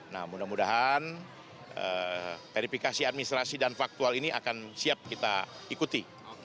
nah mudah mudahan verifikasi administrasi dan faktual ini akan siap kita ikuti